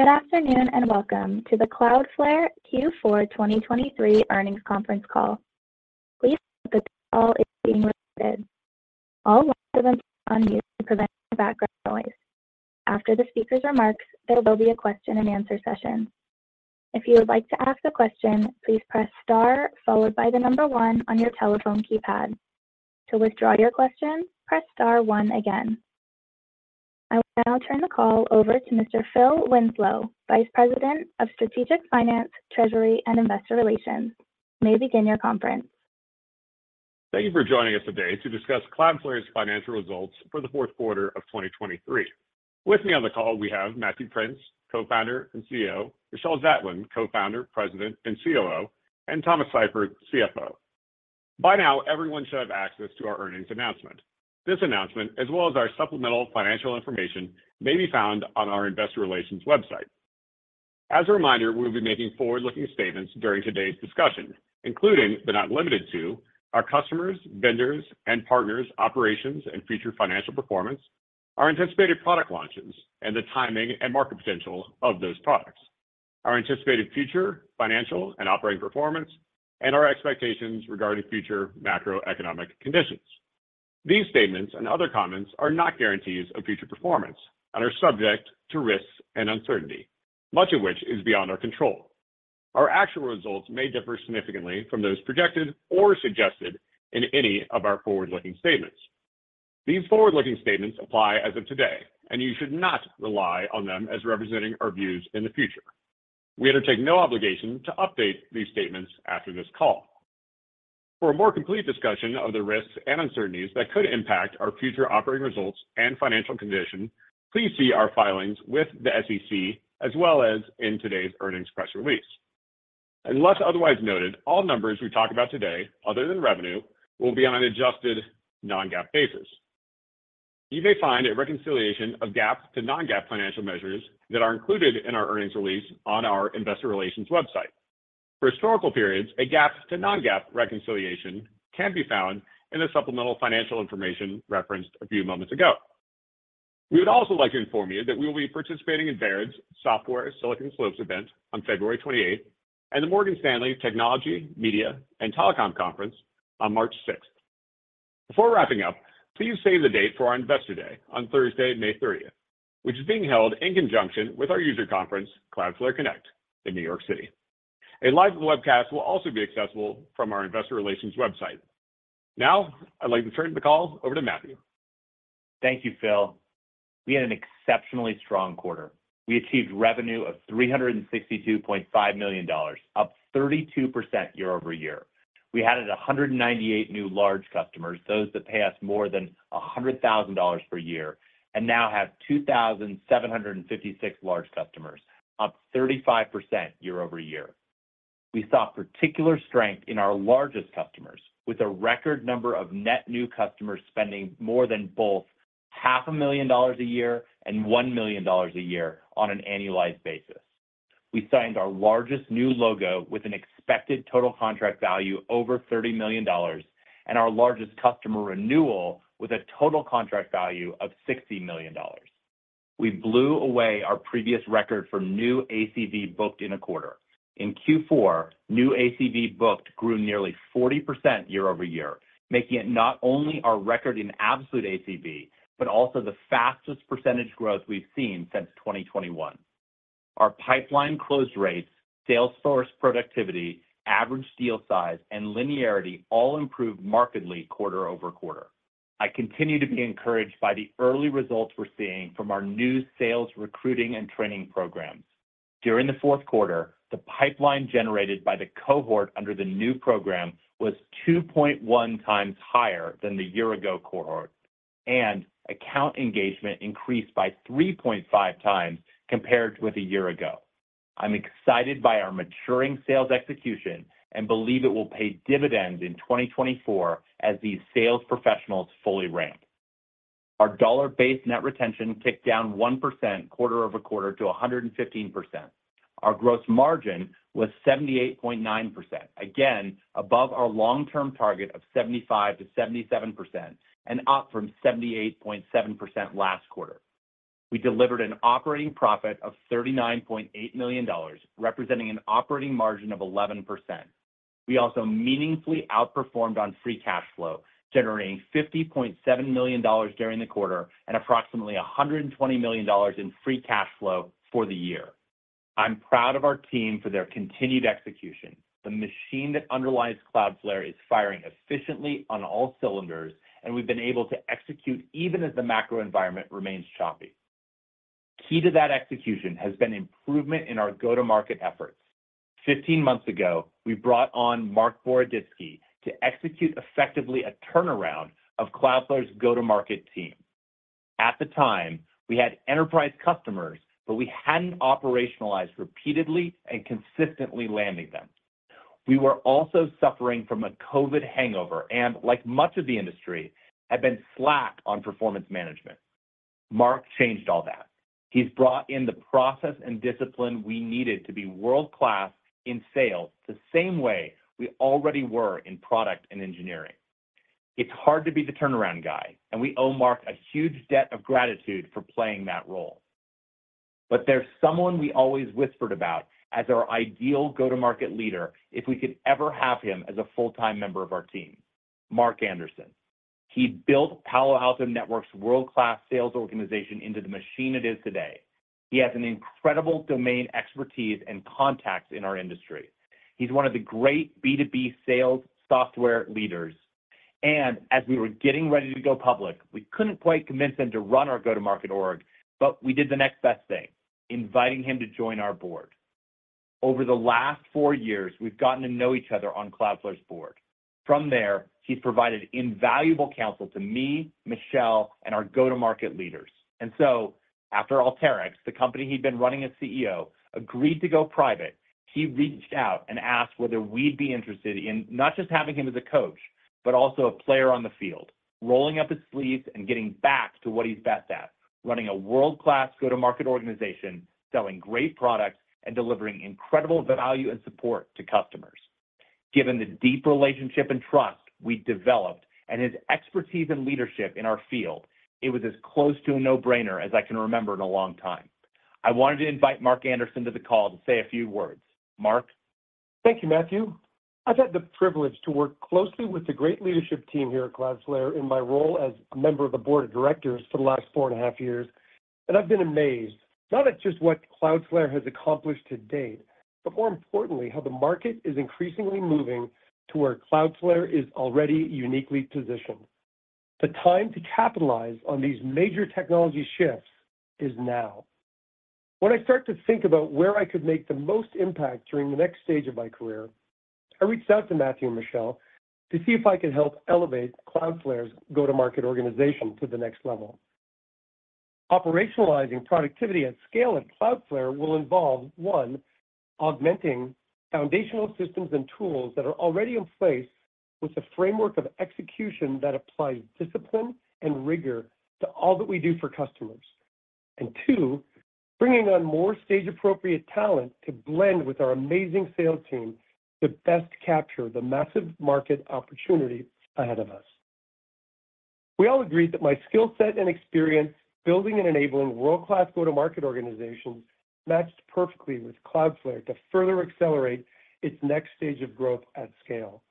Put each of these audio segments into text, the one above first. Good afternoon and welcome to the Cloudflare Q4 2023 earnings conference call. Please note that this call is being recorded. All lines of input are on mute to prevent background noise. After the speaker's remarks, there will be a question-and-answer session. If you would like to ask a question, please press star followed by the number one on your telephone keypad. To withdraw your question, press star one again. I will now turn the call over to Mr. Phil Winslow, Vice President of Strategic Finance, Treasury, and Investor Relations. You may begin your conference. Thank you for joining us today to discuss Cloudflare's financial results for the fourth quarter of 2023. With me on the call we have Matthew Prince, Co-founder and CEO, Michelle Zatlyn, Co-founder, President, and COO, and Thomas Seifert, CFO. By now, everyone should have access to our earnings announcement. This announcement, as well as our supplemental financial information, may be found on our Investor Relations website. As a reminder, we will be making forward-looking statements during today's discussion, including but not limited to our customers, vendors, and partners' operations and future financial performance, our anticipated product launches, and the timing and market potential of those products. Our anticipated future financial and operating performance, and our expectations regarding future macroeconomic conditions. These statements and other comments are not guarantees of future performance and are subject to risks and uncertainty, much of which is beyond our control. Our actual results may differ significantly from those projected or suggested in any of our forward-looking statements. These forward-looking statements apply as of today, and you should not rely on them as representing our views in the future. We undertake no obligation to update these statements after this call. For a more complete discussion of the risks and uncertainties that could impact our future operating results and financial condition, please see our filings with the SEC as well as in today's earnings press release. Unless otherwise noted, all numbers we talk about today, other than revenue, will be on an adjusted non-GAAP basis. You may find a reconciliation of GAAP to non-GAAP financial measures that are included in our earnings release on our Investor Relations website. For historical periods, a GAAP to non-GAAP reconciliation can be found in the supplemental financial information referenced a few moments ago. We would also like to inform you that we will be participating in Baird's Software Silicon Slopes event on February 28th, and the Morgan Stanley Technology, Media, and Telecom conference on March 6th. Before wrapping up, please save the date for our Investor Day on Thursday, May 30th, which is being held in conjunction with our user conference, Cloudflare Connect, in New York City. A live webcast will also be accessible from our Investor Relations website. Now, I'd like to turn the call over to Matthew. Thank you, Phil. We had an exceptionally strong quarter. We achieved revenue of $362.5 million, up 32% year-over-year. We had 198 new large customers, those that pay us more than $100,000 per year, and now have 2,756 large customers, up 35% year-over-year. We saw particular strength in our largest customers, with a record number of net new customers spending more than both $500,000 a year and $1 million a year on an annualized basis. We signed our largest new logo with an expected total contract value over $30 million, and our largest customer renewal with a total contract value of $60 million. We blew away our previous record for new ACV booked in a quarter. In Q4, new ACV booked grew nearly 40% year-over-year, making it not only our record in absolute ACV but also the fastest percentage growth we've seen since 2021. Our pipeline closed rates, salesforce productivity, average deal size, and linearity all improved markedly quarter-over-quarter. I continue to be encouraged by the early results we're seeing from our new sales recruiting and training programs. During the fourth quarter, the pipeline generated by the cohort under the new program was 2.1 times higher than the year-ago cohort, and account engagement increased by 3.5 times compared with a year ago. I'm excited by our maturing sales execution and believe it will pay dividends in 2024 as these sales professionals fully ramp. Our dollar-based net retention ticked down 1% quarter-over-quarter to 115%. Our gross margin was 78.9%, again above our long-term target of 75%-77%, and up from 78.7% last quarter. We delivered an operating profit of $39.8 million, representing an operating margin of 11%. We also meaningfully outperformed on free cash flow, generating $50.7 million during the quarter and approximately $120 million in free cash flow for the year. I'm proud of our team for their continued execution. The machine that underlies Cloudflare is firing efficiently on all cylinders, and we've been able to execute even as the macro environment remains choppy. Key to that execution has been improvement in our go-to-market efforts. 15 months ago, we brought on Marc Boroditsky to execute effectively a turnaround of Cloudflare's go-to-market team. At the time, we had enterprise customers, but we hadn't operationalized repeatedly and consistently landing them. We were also suffering from a COVID hangover and, like much of the industry, had been slack on performance management. Mark changed all that. He's brought in the process and discipline we needed to be world-class in sales the same way we already were in product and engineering. It's hard to be the turnaround guy, and we owe Mark a huge debt of gratitude for playing that role. But there's someone we always whispered about as our ideal go-to-market leader if we could ever have him as a full-time member of our team: Mark Anderson. He built Palo Alto Networks' world-class sales organization into the machine it is today. He has incredible domain expertise and contacts in our industry. He's one of the great B2B sales software leaders. And as we were getting ready to go public, we couldn't quite convince him to run our go-to-market org, but we did the next best thing: inviting him to join our board. Over the last four years, we've gotten to know each other on Cloudflare's board. From there, he's provided invaluable counsel to me, Michelle, and our go-to-market leaders. And so, after Alteryx, the company he'd been running as CEO, agreed to go private, he reached out and asked whether we'd be interested in not just having him as a coach but also a player on the field, rolling up his sleeves and getting back to what he's best at: running a world-class go-to-market organization, selling great products, and delivering incredible value and support to customers. Given the deep relationship and trust we developed and his expertise and leadership in our field, it was as close to a no-brainer as I can remember in a long time. I wanted to invite Mark Anderson to the call to say a few words. Mark? Thank you, Matthew. I've had the privilege to work closely with the great leadership team here at Cloudflare in my role as a member of the board of directors for the last four and a half years. I've been amazed, not at just what Cloudflare has accomplished to date, but more importantly, how the market is increasingly moving to where Cloudflare is already uniquely positioned. The time to capitalize on these major technology shifts is now. When I start to think about where I could make the most impact during the next stage of my career, I reached out to Matthew and Michelle to see if I could help elevate Cloudflare's go-to-market organization to the next level. Operationalizing productivity at scale at Cloudflare will involve, one, augmenting foundational systems and tools that are already in place with a framework of execution that applies discipline and rigor to all that we do for customers. And two, bringing on more stage-appropriate talent to blend with our amazing sales team to best capture the massive market opportunity ahead of us. We all agreed that my skill set and experience building and enabling world-class go-to-market organizations matched perfectly with Cloudflare to further accelerate its next stage of growth at scale.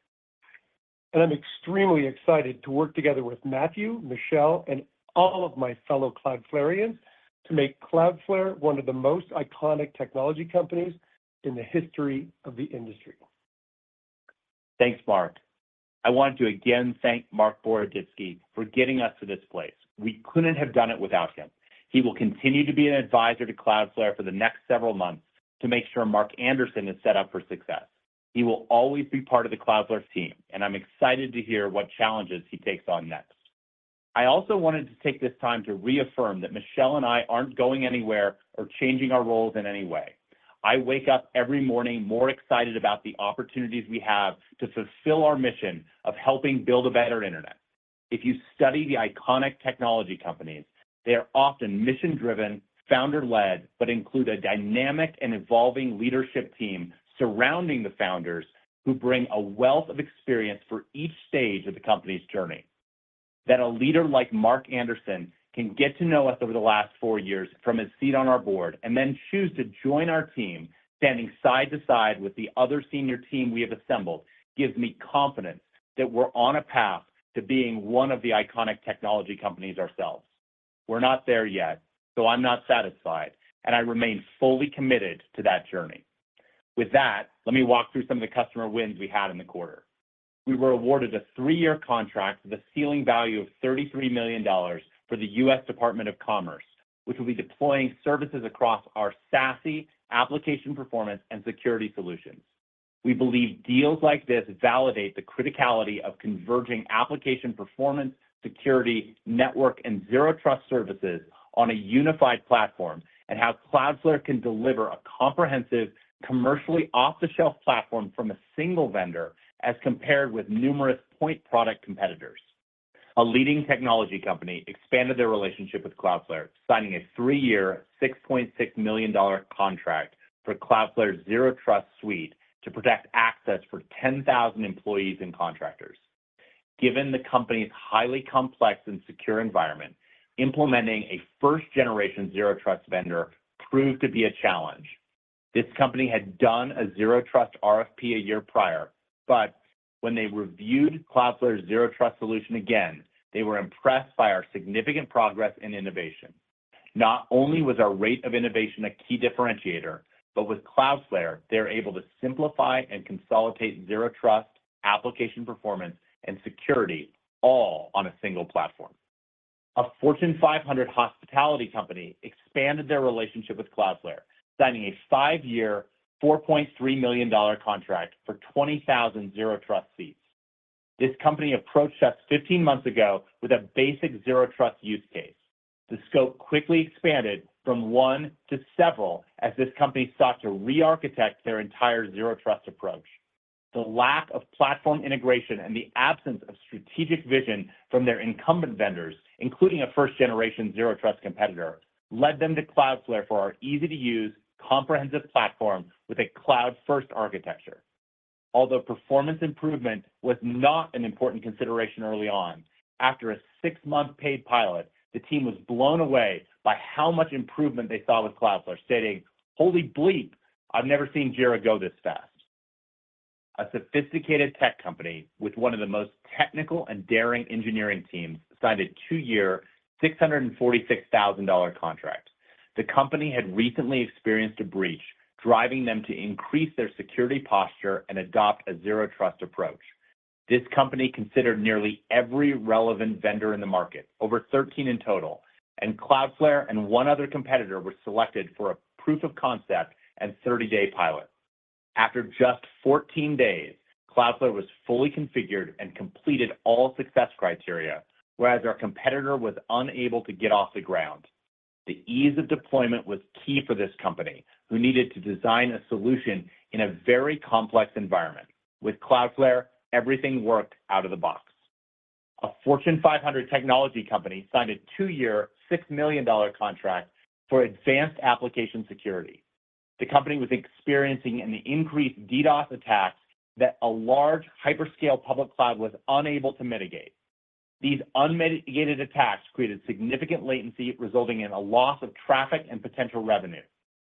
And I'm extremely excited to work together with Matthew, Michelle, and all of my fellow Cloudflareans to make Cloudflare one of the most iconic technology companies in the history of the industry. Thanks, Mark. I want to again thank Marc Boroditsky for getting us to this place. We couldn't have done it without him. He will continue to be an advisor to Cloudflare for the next several months to make sure Mark Anderson is set up for success. He will always be part of the Cloudflare team, and I'm excited to hear what challenges he takes on next. I also wanted to take this time to reaffirm that Michelle and I aren't going anywhere or changing our roles in any way. I wake up every morning more excited about the opportunities we have to fulfill our mission of helping build a better internet. If you study the iconic technology companies, they are often mission-driven, founder-led, but include a dynamic and evolving leadership team surrounding the founders who bring a wealth of experience for each stage of the company's journey. That a leader like Mark Anderson can get to know us over the last four years from his seat on our board and then choose to join our team, standing side to side with the other senior team we have assembled, gives me confidence that we're on a path to being one of the iconic technology companies ourselves. We're not there yet, so I'm not satisfied, and I remain fully committed to that journey. With that, let me walk through some of the customer wins we had in the quarter. We were awarded a three-year contract with a ceiling value of $33 million for the U.S. Department of Commerce, which will be deploying services across our SASE application performance and security solutions. We believe deals like this validate the criticality of converging application performance, security, network, and Zero Trust services on a unified platform and how Cloudflare can deliver a comprehensive, commercially off-the-shelf platform from a single vendor as compared with numerous point product competitors. A leading technology company expanded their relationship with Cloudflare, signing a three-year $6.6 million contract for Cloudflare's Zero Trust Suite to protect access for 10,000 employees and contractors. Given the company's highly complex and secure environment, implementing a first-generation Zero Trust vendor proved to be a challenge. This company had done a Zero Trust RFP a year prior, but when they reviewed Cloudflare's Zero Trust Solution again, they were impressed by our significant progress in innovation. Not only was our rate of innovation a key differentiator, but with Cloudflare, they were able to simplify and consolidate Zero Trust application performance and security all on a single platform. A Fortune 500 hospitality company expanded their relationship with Cloudflare, signing a five-year $4.3 million contract for 20,000 Zero Trust seats. This company approached us 15 months ago with a basic Zero Trust use case. The scope quickly expanded from one to several as this company sought to re-architect their entire Zero Trust approach. The lack of platform integration and the absence of strategic vision from their incumbent vendors, including a first-generation Zero Trust competitor, led them to Cloudflare for our easy-to-use, comprehensive platform with a cloud-first architecture. Although performance improvement was not an important consideration early on, after a six-month paid pilot, the team was blown away by how much improvement they saw with Cloudflare, stating, "Holy bleep. I've never seen Jira go this fast." A sophisticated tech company with one of the most technical and daring engineering teams signed a two-year $646,000 contract. The company had recently experienced a breach driving them to increase their security posture and adopt a Zero Trust approach. This company considered nearly every relevant vendor in the market, over 13 in total, and Cloudflare and one other competitor were selected for a proof of concept and 30-day pilot. After just 14 days, Cloudflare was fully configured and completed all success criteria, whereas our competitor was unable to get off the ground. The ease of deployment was key for this company, who needed to design a solution in a very complex environment. With Cloudflare, everything worked out of the box. A Fortune 500 technology company signed a 2-year $6 million contract for advanced application security. The company was experiencing an increased DDoS attack that a large hyperscale public cloud was unable to mitigate. These unmitigated attacks created significant latency, resulting in a loss of traffic and potential revenue.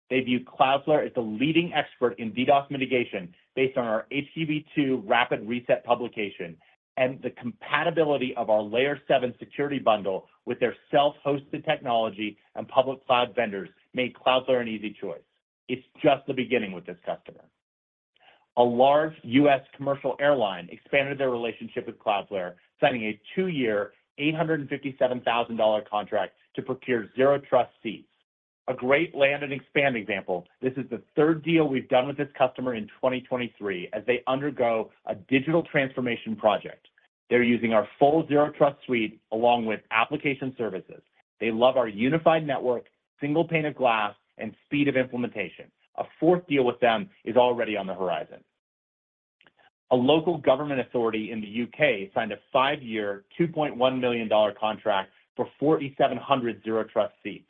They view Cloudflare as the leading expert in DDoS mitigation based on our HTTP/2 Rapid Reset publication, and the compatibility of our Layer seven security bundle with their self-hosted technology and public cloud vendors made Cloudflare an easy choice. It's just the beginning with this customer. A large U.S. commercial airline expanded their relationship with Cloudflare, signing a two-year $857,000 contract to procure Zero Trust seats. A great land and expand example, this is the third deal we've done with this customer in 2023 as they undergo a digital transformation project. They're using our full Zero Trust suite along with application services. They love our unified network, single pane of glass, and speed of implementation. A fourth deal with them is already on the horizon. A local government authority in the U.K. signed a five-year $2.1 million contract for 4,700 Zero Trust seats.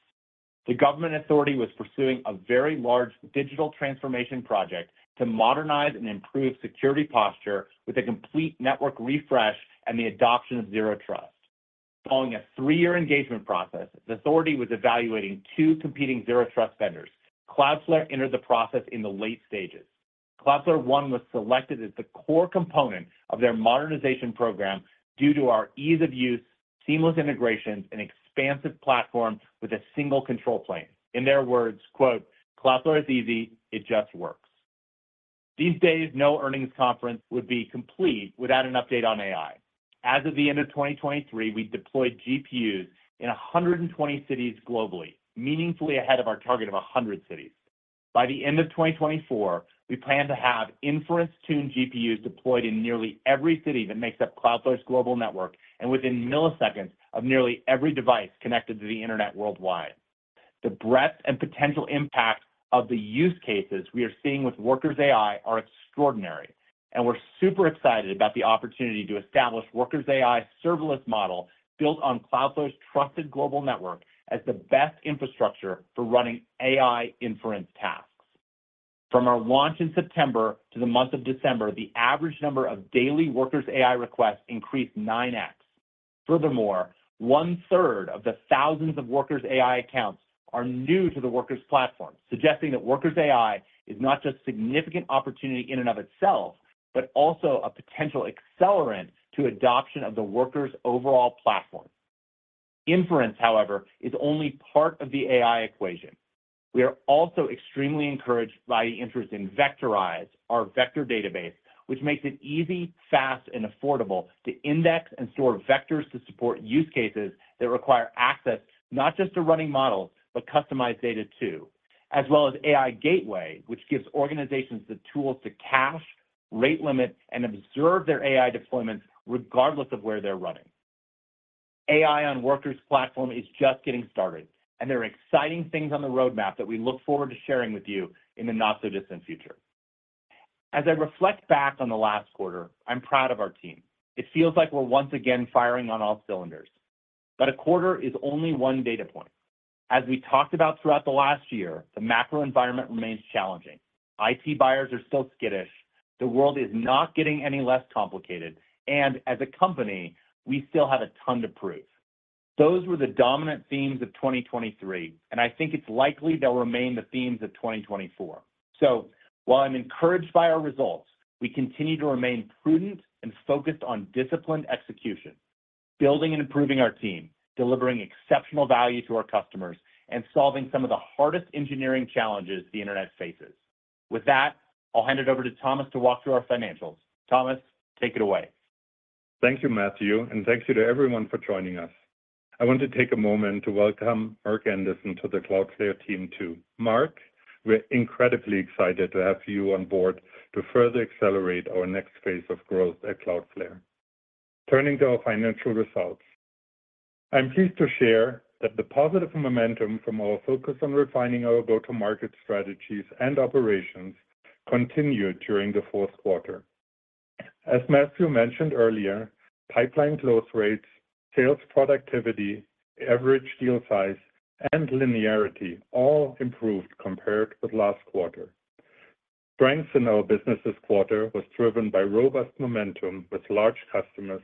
The government authority was pursuing a very large digital transformation project to modernize and improve security posture with a complete network refresh and the adoption of Zero Trust. Following a 3-year engagement process, the authority was evaluating two competing Zero Trust vendors. Cloudflare entered the process in the late stages. Cloudflare One was selected as the core component of their modernization program due to our ease of use, seamless integrations, and expansive platform with a single control plane. In their words, "Cloudflare is easy. It just works." These days, no earnings conference would be complete without an update on AI. As of the end of 2023, we deployed GPUs in 120 cities globally, meaningfully ahead of our target of 100 cities. By the end of 2024, we plan to have inference-tuned GPUs deployed in nearly every city that makes up Cloudflare's global network and within milliseconds of nearly every device connected to the internet worldwide. The breadth and potential impact of the use cases we are seeing with Workers AI are extraordinary. We're super excited about the opportunity to establish Workers AI's serverless model built on Cloudflare's trusted global network as the best infrastructure for running AI inference tasks. From our launch in September to the month of December, the average number of daily Workers AI requests increased 9x. Furthermore, one-third of the thousands of Workers AI accounts are new to the Workers platform, suggesting that Workers AI is not just significant opportunity in and of itself but also a potential accelerant to adoption of the Workers overall platform. Inference, however, is only part of the AI equation. We are also extremely encouraged by the interest in Vectorize, our vector database, which makes it easy, fast, and affordable to index and store vectors to support use cases that require access not just to running models but customized data too, as well as AI Gateway, which gives organizations the tools to cache, rate limit, and observe their AI deployments regardless of where they're running. AI on Workers platform is just getting started, and there are exciting things on the roadmap that we look forward to sharing with you in the not-so-distant future. As I reflect back on the last quarter, I'm proud of our team. It feels like we're once again firing on all cylinders. But a quarter is only one data point. As we talked about throughout the last year, the macro environment remains challenging. IT buyers are still skittish. The world is not getting any less complicated. As a company, we still have a ton to prove. Those were the dominant themes of 2023, and I think it's likely they'll remain the themes of 2024. While I'm encouraged by our results, we continue to remain prudent and focused on disciplined execution, building and improving our team, delivering exceptional value to our customers, and solving some of the hardest engineering challenges the internet faces. With that, I'll hand it over to Thomas to walk through our financials. Thomas, take it away. Thank you, Matthew. Thank you to everyone for joining us. I want to take a moment to welcome Mark Anderson to the Cloudflare team too. Mark, we're incredibly excited to have you on board to further accelerate our next phase of growth at Cloudflare. Turning to our financial results, I'm pleased to share that the positive momentum from our focus on refining our go-to-market strategies and operations continued during the fourth quarter. As Matthew mentioned earlier, pipeline close rates, sales productivity, average deal size, and linearity all improved compared with last quarter. Strength in our business this quarter was driven by robust momentum with large customers,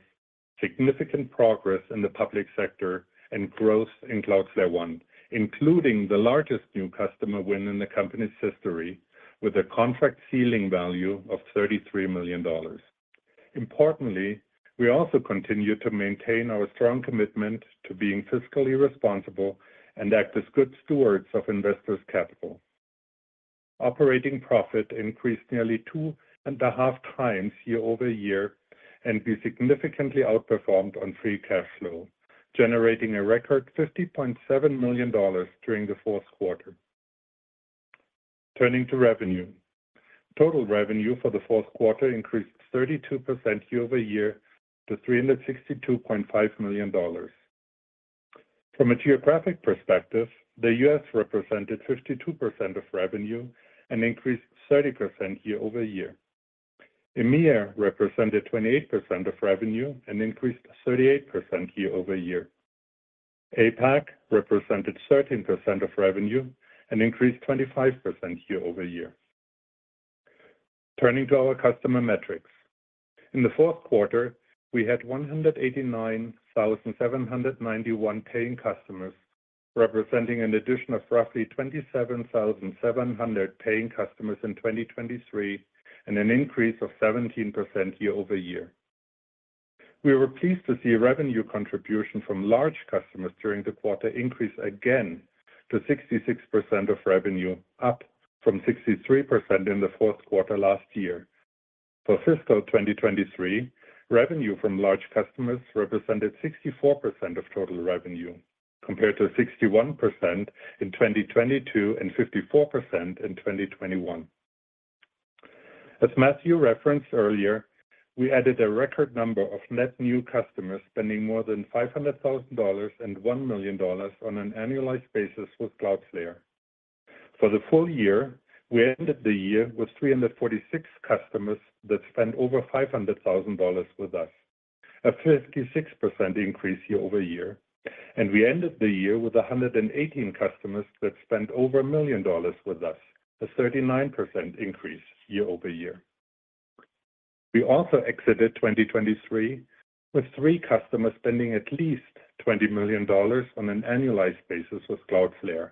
significant progress in the public sector, and growth in Cloudflare One, including the largest new customer win in the company's history with a contract ceiling value of $33 million. Importantly, we also continue to maintain our strong commitment to being fiscally responsible and act as good stewards of investors' capital. Operating profit increased nearly 2.5 times year-over-year, and we significantly outperformed on free cash flow, generating a record $50.7 million during the fourth quarter. Turning to revenue, total revenue for the fourth quarter increased 32% year-over-year to $362.5 million. From a geographic perspective, the U.S. represented 52% of revenue and increased 30% year-over-year. EMEA represented 28% of revenue and increased 38% year-over-year. APAC represented 13% of revenue and increased 25% year-over-year. Turning to our customer metrics, in the fourth quarter, we had 189,791 paying customers, representing an addition of roughly 27,700 paying customers in 2023 and an increase of 17% year-over-year. We were pleased to see revenue contribution from large customers during the quarter increase again to 66% of revenue, up from 63% in the fourth quarter last year. For fiscal 2023, revenue from large customers represented 64% of total revenue, compared to 61% in 2022 and 54% in 2021. As Matthew referenced earlier, we added a record number of net new customers spending more than $500,000 and $1 million on an annualized basis with Cloudflare. For the full year, we ended the year with 346 customers that spent over $500,000 with us, a 56% increase year-over-year. We ended the year with 118 customers that spent over $1 million with us, a 39% increase year-over-year. We also exited 2023 with three customers spending at least $20 million on an annualized basis with Cloudflare,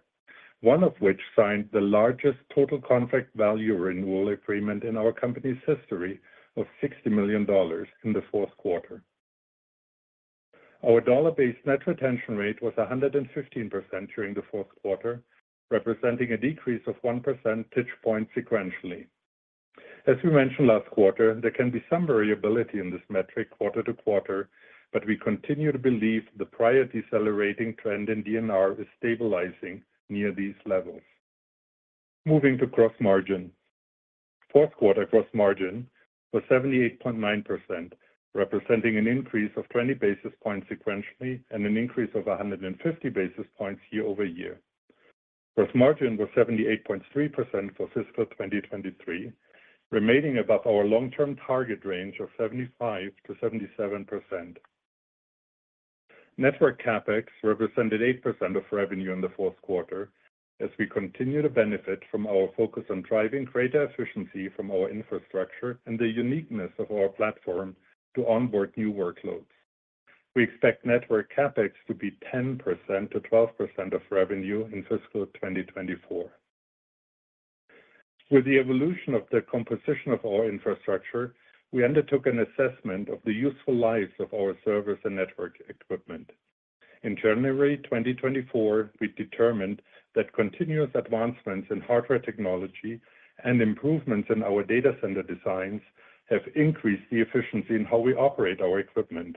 one of which signed the largest total contract value renewal agreement in our company's history of $60 million in the fourth quarter. Our dollar-based net retention rate was 115% during the fourth quarter, representing a decrease of one percentage point sequentially. As we mentioned last quarter, there can be some variability in this metric quarter to quarter, but we continue to believe the prior decelerating trend in DNR is stabilizing near these levels. Moving to gross margin, fourth quarter gross margin was 78.9%, representing an increase of 20 basis points sequentially and an increase of 150 basis points year-over-year. Gross margin was 78.3% for fiscal 2023, remaining above our long-term target range of 75%-77%. Network CapEx represented 8% of revenue in the fourth quarter, as we continue to benefit from our focus on driving greater efficiency from our infrastructure and the uniqueness of our platform to onboard new workloads. We expect network CapEx to be 10%-12% of revenue in fiscal 2024. With the evolution of the composition of our infrastructure, we undertook an assessment of the useful lives of our servers and network equipment. In January 2024, we determined that continuous advancements in hardware technology and improvements in our data center designs have increased the efficiency in how we operate our equipment,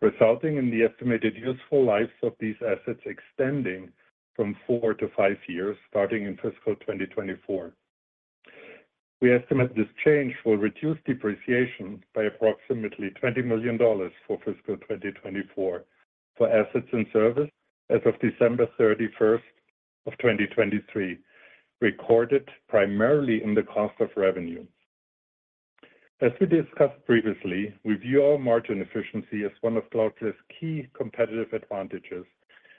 resulting in the estimated useful lives of these assets extending from four to five years starting in fiscal 2024. We estimate this change will reduce depreciation by approximately $20 million for fiscal 2024 for assets and services as of December 31, 2023, recorded primarily in the cost of revenue. As we discussed previously, we view our margin efficiency as one of Cloudflare's key competitive advantages,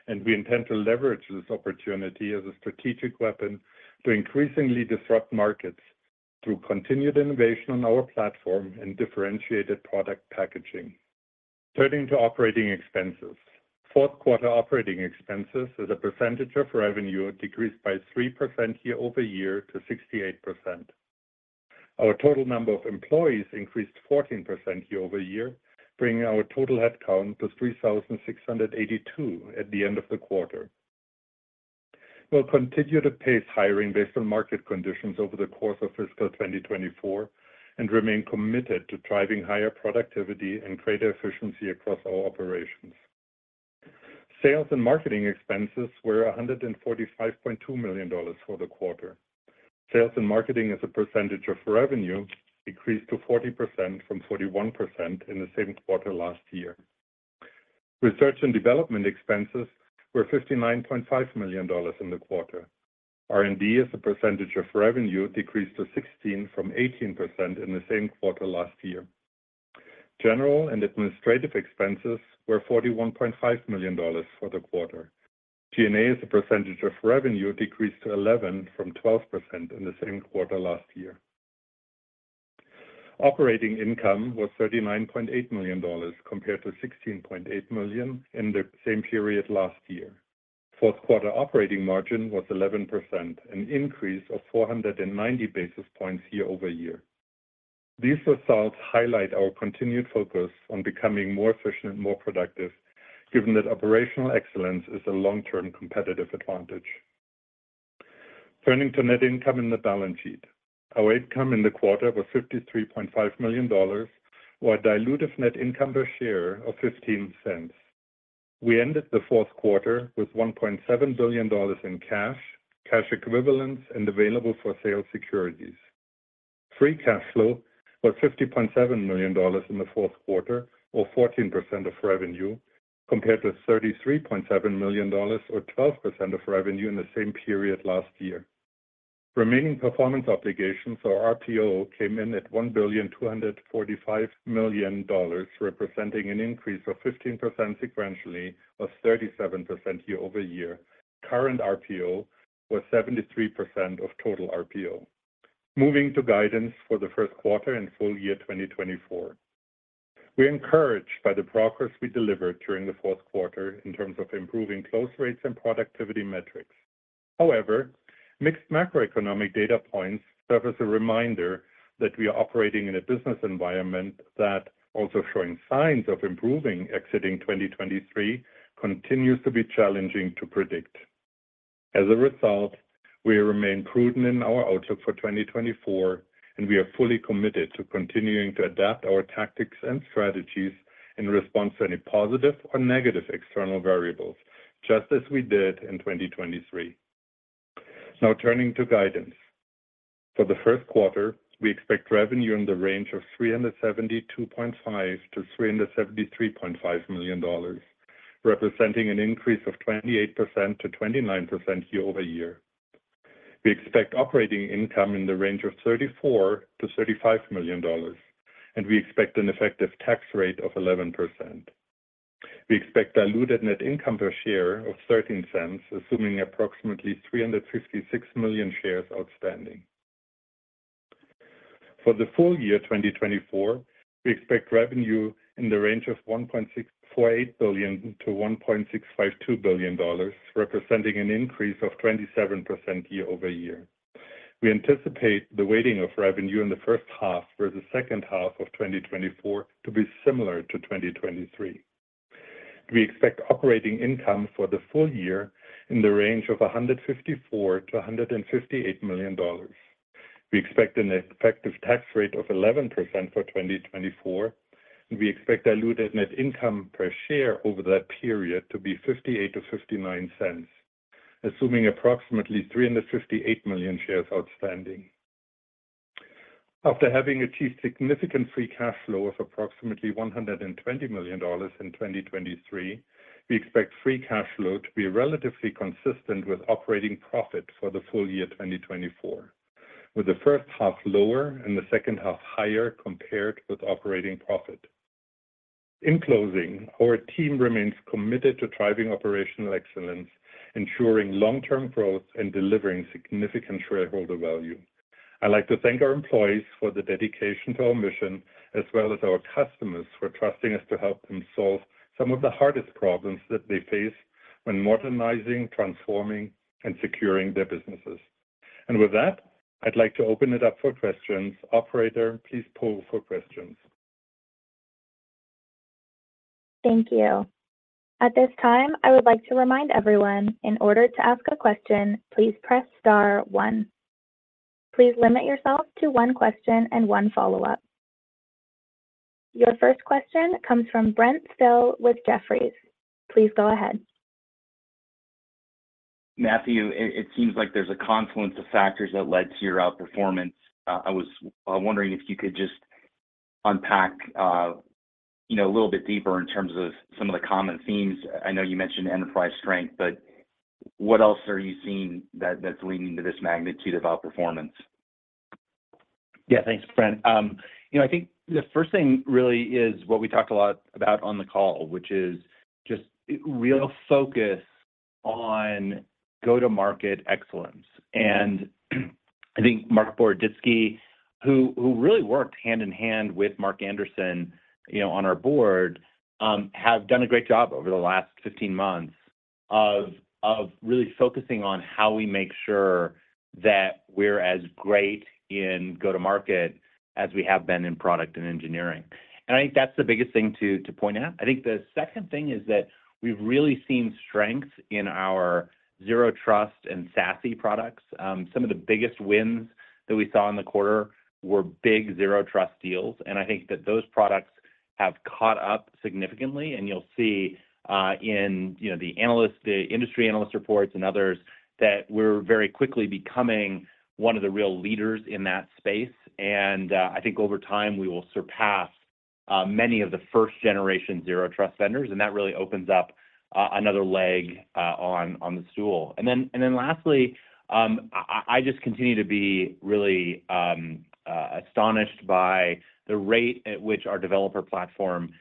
and we intend to leverage this opportunity as a strategic weapon to increasingly disrupt markets through continued innovation on our platform and differentiated product packaging. Turning to operating expenses, fourth quarter operating expenses as a percentage of revenue decreased by 3% year-over-year to 68%. Our total number of employees increased 14% year-over-year, bringing our total headcount to 3,682 at the end of the quarter. We'll continue to pace hiring based on market conditions over the course of fiscal 2024 and remain committed to driving higher productivity and greater efficiency across our operations. Sales and marketing expenses were $145.2 million for the quarter. Sales and marketing as a percentage of revenue decreased to 40% from 41% in the same quarter last year. Research and development expenses were $59.5 million in the quarter. R&D as a percentage of revenue decreased to 16% from 18% in the same quarter last year. General and administrative expenses were $41.5 million for the quarter. G&A as a percentage of revenue decreased to 11% from 12% in the same quarter last year. Operating income was $39.8 million compared to $16.8 million in the same period last year. Fourth quarter operating margin was 11%, an increase of 490 basis points year-over-year. These results highlight our continued focus on becoming more efficient and more productive, given that operational excellence is a long-term competitive advantage. Turning to net income and the balance sheet, our income in the quarter was $53.5 million or a diluted net income per share of $0.15. We ended the fourth quarter with $1.7 billion in cash, cash equivalents, and available-for-sale securities. Free cash flow was $50.7 million in the fourth quarter or 14% of revenue, compared to $33.7 million or 12% of revenue in the same period last year. Remaining performance obligations, or RPO, came in at $1.245 billion, representing an increase of 15% sequentially or 37% year-over-year. Current RPO was 73% of total RPO. Moving to guidance for the first quarter and full year 2024, we're encouraged by the progress we delivered during the fourth quarter in terms of improving close rates and productivity metrics. However, mixed macroeconomic data points serve as a reminder that we are operating in a business environment that, also showing signs of improving exiting 2023, continues to be challenging to predict. As a result, we remain prudent in our outlook for 2024, and we are fully committed to continuing to adapt our tactics and strategies in response to any positive or negative external variables, just as we did in 2023. Now, turning to guidance, for the first quarter, we expect revenue in the range of $372.5 million-$373.5 million, representing an increase of 28%-29% year-over-year. We expect operating income in the range of $34 million-$35 million, and we expect an effective tax rate of 11%. We expect diluted net income per share of $0.13, assuming approximately 356 million shares outstanding. For the full year 2024, we expect revenue in the range of $1.648 billion-$1.652 billion, representing an increase of 27% year-over-year. We anticipate the weighting of revenue in the first half versus second half of 2024 to be similar to 2023. We expect operating income for the full year in the range of $154 million-$158 million. We expect an effective tax rate of 11% for 2024, and we expect diluted net income per share over that period to be $0.58-$0.59, assuming approximately 358 million shares outstanding. After having achieved significant free cash flow of approximately $120 million in 2023, we expect free cash flow to be relatively consistent with operating profit for the full year 2024, with the first half lower and the second half higher compared with operating profit. In closing, our team remains committed to driving operational excellence, ensuring long-term growth, and delivering significant shareholder value. I'd like to thank our employees for the dedication to our mission, as well as our customers for trusting us to help them solve some of the hardest problems that they face when modernizing, transforming, and securing their businesses. And with that, I'd like to open it up for questions. Operator, please pull for questions. Thank you. At this time, I would like to remind everyone, in order to ask a question, please press star one. Please limit yourself to one question and one follow-up. Your first question comes from Brent Thill with Jefferies. Please go ahead. Matthew, it seems like there's a confluence of factors that led to your outperformance. I was wondering if you could just unpack a little bit deeper in terms of some of the common themes. I know you mentioned enterprise strength, but what else are you seeing that's leading to this magnitude of outperformance? Yeah, thanks, Brent. I think the first thing really is what we talked a lot about on the call, which is just real focus on go-to-market excellence. I think Marc Boroditsky, who really worked hand in hand with Mark Anderson on our board, have done a great job over the last 15 months of really focusing on how we make sure that we're as great in go-to-market as we have been in product and engineering. I think that's the biggest thing to point out. I think the second thing is that we've really seen strength in our Zero Trust and SASE products. Some of the biggest wins that we saw in the quarter were big Zero Trust deals. I think that those products have caught up significantly. You'll see in the industry analyst reports and others that we're very quickly becoming one of the real leaders in that space. I think over time, we will surpass many of the first-generation Zero Trust vendors. And that really opens up another leg on the stool. And then lastly, I just continue to be really astonished by the rate at which our developer platform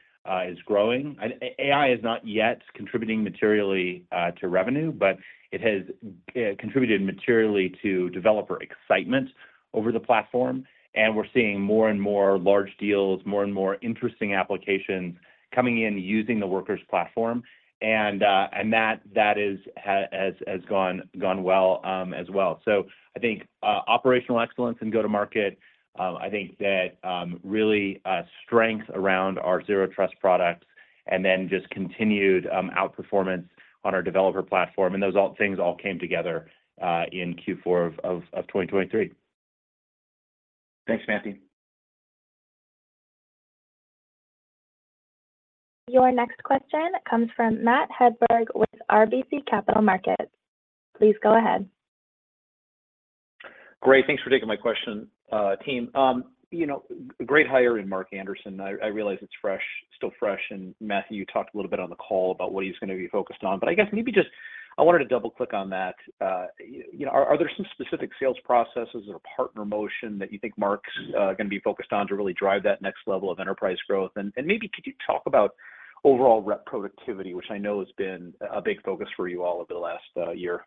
is growing. AI is not yet contributing materially to revenue, but it has contributed materially to developer excitement over the platform. And we're seeing more and more large deals, more and more interesting applications coming in using the Workers platform. And that has gone well as well. So I think operational excellence and go-to-market, I think that really strength around our Zero Trust products and then just continued outperformance on our developer platform. And those things all came together in Q4 of 2023. Thanks, Matthew. Your next question comes from Matt Hedberg with RBC Capital Markets. Please go ahead. Great. Thanks for taking my question, team. Great hire in Mark Anderson. I realize it's still fresh. Matthew, you talked a little bit on the call about what he's going to be focused on. But I guess maybe just I wanted to double-click on that. Are there some specific sales processes or partner motion that you think Mark's going to be focused on to really drive that next level of enterprise growth? And maybe could you talk about overall rep productivity, which I know has been a big focus for you all over the last year?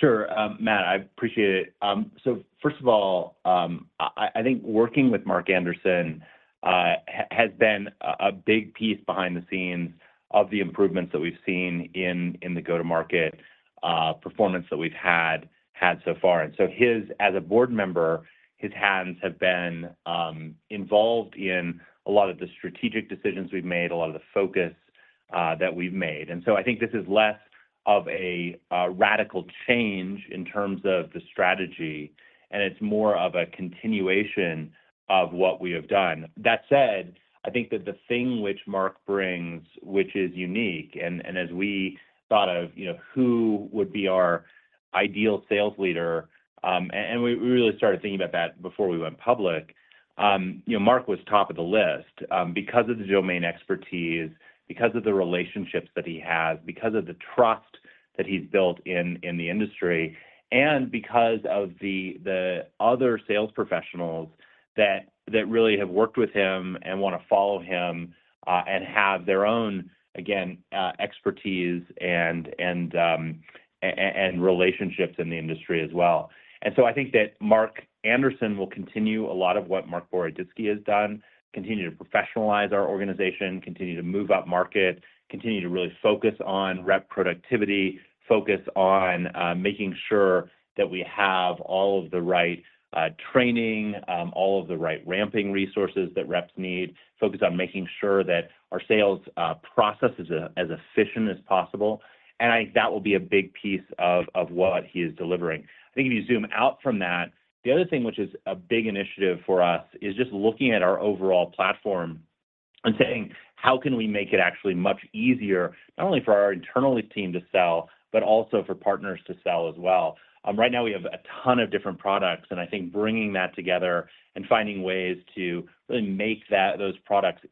Sure, Matt. I appreciate it. So first of all, I think working with Mark Anderson has been a big piece behind the scenes of the improvements that we've seen in the go-to-market performance that we've had so far. And so as a board member, his hands have been involved in a lot of the strategic decisions we've made, a lot of the focus that we've made. So I think this is less of a radical change in terms of the strategy, and it's more of a continuation of what we have done. That said, I think that the thing which Mark brings, which is unique, and as we thought of who would be our ideal sales leader - and we really started thinking about that before we went public - Mark was top of the list because of the domain expertise, because of the relationships that he has, because of the trust that he's built in the industry, and because of the other sales professionals that really have worked with him and want to follow him and have their own, again, expertise and relationships in the industry as well. I think that Mark Anderson will continue a lot of what Marc Boroditsky has done, continue to professionalize our organization, continue to move up market, continue to really focus on rep productivity, focus on making sure that we have all of the right training, all of the right ramping resources that reps need, focus on making sure that our sales process is as efficient as possible. I think that will be a big piece of what he is delivering. I think if you zoom out from that, the other thing which is a big initiative for us is just looking at our overall platform and saying, "How can we make it actually much easier, not only for our internal team to sell, but also for partners to sell as well?" Right now, we have a ton of different products. I think bringing that together and finding ways to really make those products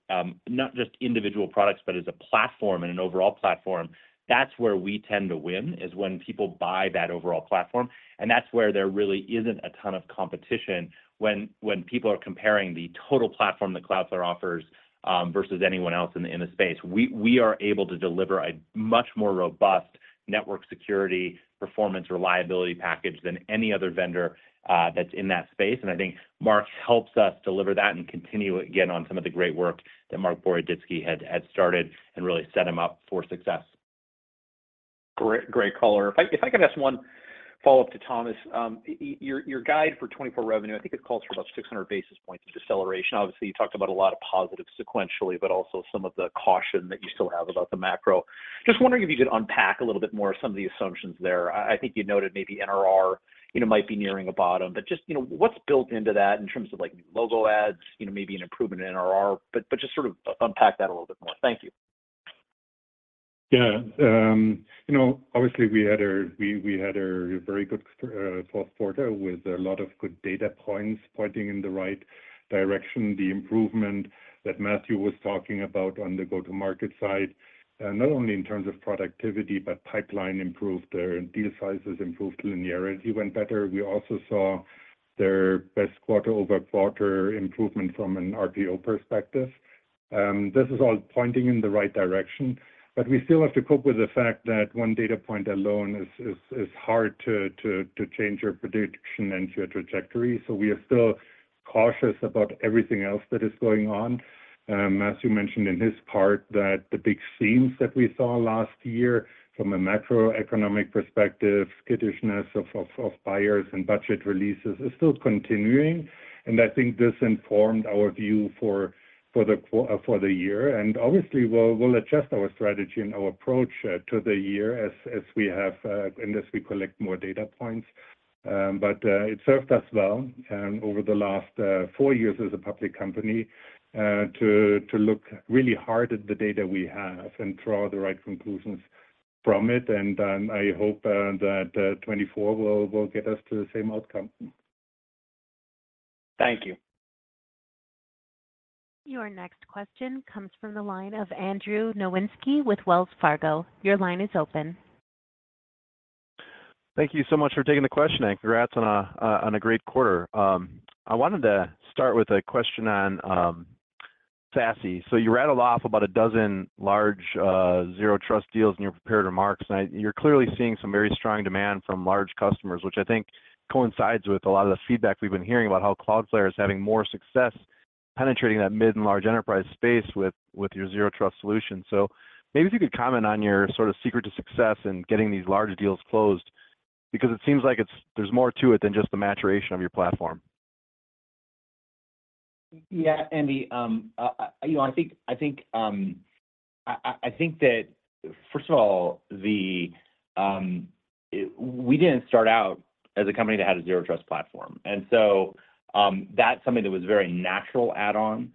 not just individual products, but as a platform and an overall platform, that's where we tend to win, is when people buy that overall platform. And that's where there really isn't a ton of competition when people are comparing the total platform that Cloudflare offers versus anyone else in the space. We are able to deliver a much more robust network security, performance, reliability package than any other vendor that's in that space. And I think Mark helps us deliver that and continue again on some of the great work that Marc Boroditsky had started and really set him up for success. Great caller. If I could ask one follow-up to Thomas, your guidance for 2024 revenue, I think it calls for about 600 basis points of deceleration. Obviously, you talked about a lot of positives sequentially, but also some of the caution that you still have about the macro. Just wondering if you could unpack a little bit more some of the assumptions there. I think you noted maybe NRR might be nearing a bottom. But just what's built into that in terms of new logo ads, maybe an improvement in NRR? But just sort of unpack that a little bit more. Thank you. Yeah. Obviously, we had a very good fourth quarter with a lot of good data points pointing in the right direction, the improvement that Matthew was talking about on the go-to-market side, not only in terms of productivity, but pipeline improved, their deal sizes improved, linearity went better. We also saw their best quarter-over-quarter improvement from an RPO perspective. This is all pointing in the right direction. But we still have to cope with the fact that one data point alone is hard to change your prediction and your trajectory. So we are still cautious about everything else that is going on. As you mentioned in his part, the big themes that we saw last year from a macroeconomic perspective, skittishness of buyers and budget releases, is still continuing. And I think this informed our view for the year. And obviously, we'll adjust our strategy and our approach to the year as we collect more data points. But it served us well over the last four years as a public company to look really hard at the data we have and draw the right conclusions from it. And I hope that 2024 will get us to the same outcome. Thank you. Your next question comes from the line of Andrew Nowinski with Wells Fargo. Your line is open. Thank you so much for taking the question, and congrats on a great quarter. I wanted to start with a question on SASE. So you rattled off about a dozen large Zero Trust deals in your prepared remarks. And you're clearly seeing some very strong demand from large customers, which I think coincides with a lot of the feedback we've been hearing about how Cloudflare is having more success penetrating that mid and large enterprise space with your Zero Trust solution. So maybe if you could comment on your sort of secret to success in getting these large deals closed, because it seems like there's more to it than just the maturation of your platform. Yeah, Andy. I think that, first of all, we didn't start out as a company that had a Zero Trust platform. That's something that was a very natural add-on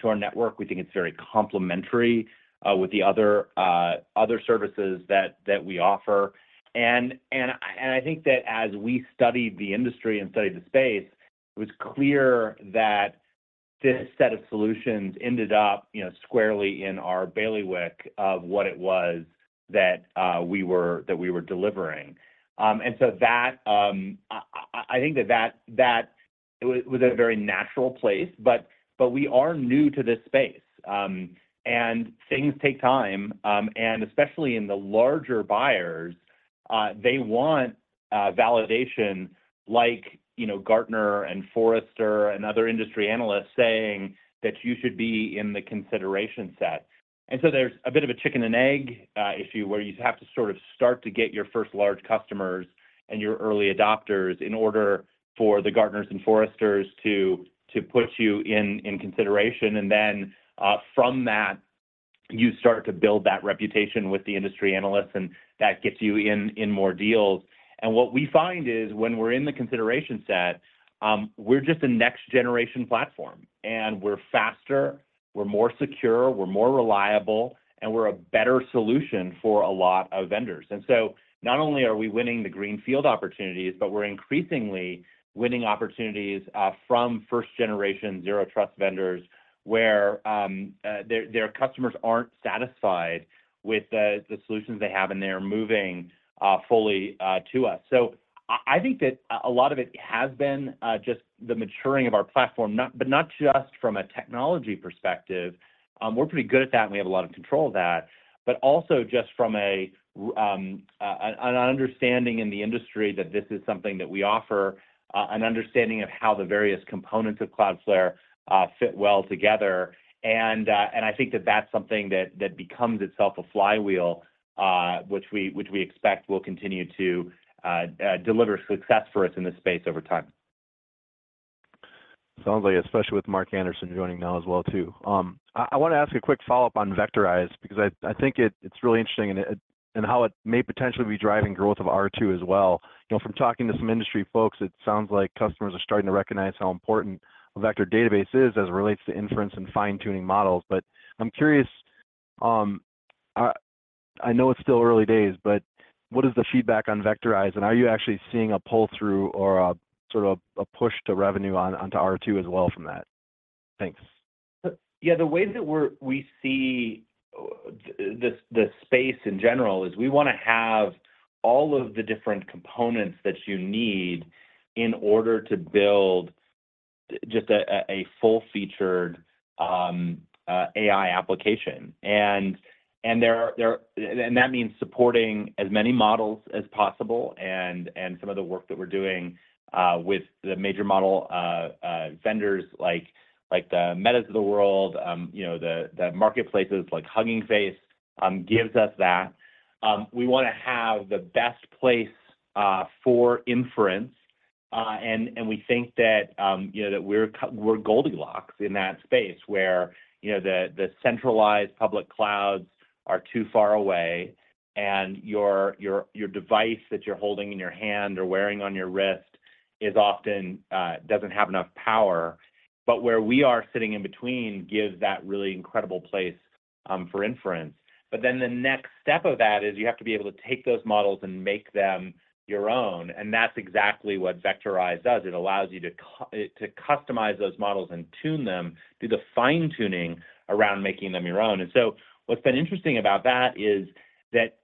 to our network. We think it's very complementary with the other services that we offer. I think that as we studied the industry and studied the space, it was clear that this set of solutions ended up squarely in our bailiwick of what it was that we were delivering. So I think that that was a very natural place. But we are new to this space. Things take time. Especially in the larger buyers, they want validation like Gartner and Forrester and other industry analysts saying that you should be in the consideration set. So there's a bit of a chicken-and-egg issue where you have to sort of start to get your first large customers and your early adopters in order for the Gartners and Forresters to put you in consideration. Then from that, you start to build that reputation with the industry analysts, and that gets you in more deals. What we find is when we're in the consideration set, we're just a next-generation platform. We're faster, we're more secure, we're more reliable, and we're a better solution for a lot of vendors. So not only are we winning the greenfield opportunities, but we're increasingly winning opportunities from first-generation Zero Trust vendors where their customers aren't satisfied with the solutions they have, and they're moving fully to us. I think that a lot of it has been just the maturing of our platform, but not just from a technology perspective. We're pretty good at that, and we have a lot of control of that. But also just from an understanding in the industry that this is something that we offer, an understanding of how the various components of Cloudflare fit well together. And I think that that's something that becomes itself a flywheel, which we expect will continue to deliver success for us in this space over time. Sounds like, especially with Mark Anderson joining now as well too. I want to ask a quick follow-up on Vectorize, because I think it's really interesting and how it may potentially be driving growth of R2 as well. From talking to some industry folks, it sounds like customers are starting to recognize how important a vector database is as it relates to inference and fine-tuning models. But I'm curious. I know it's still early days, but what is the feedback on Vectorize? And are you actually seeing a pull-through or sort of a push to revenue onto R2 as well from that? Thanks. Yeah. The way that we see the space in general is we want to have all of the different components that you need in order to build just a full-featured AI application. And that means supporting as many models as possible. And some of the work that we're doing with the major model vendors like the Metas of the world, the marketplaces like Hugging Face gives us that. We want to have the best place for inference. And we think that we're Goldilocks in that space where the centralized public clouds are too far away, and your device that you're holding in your hand or wearing on your wrist doesn't have enough power. But where we are sitting in between gives that really incredible place for inference. But then the next step of that is you have to be able to take those models and make them your own. And that's exactly what Vectorize does. It allows you to customize those models and tune them, do the fine-tuning around making them your own. And so what's been interesting about that is that